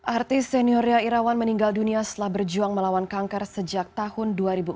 artis senior ria irawan meninggal dunia setelah berjuang melawan kanker sejak tahun dua ribu empat